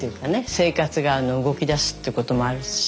生活が動きだすっていうこともあるし